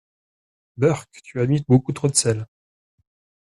Beurk! Tu as mis beaucoup trop de sel!